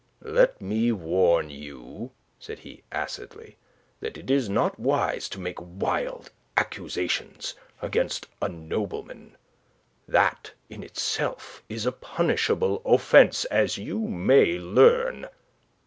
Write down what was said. "Let me warn you," said he, acidly, "that it is not wise to make wild accusations against a nobleman. That, in itself, is a punishable offence, as you may learn.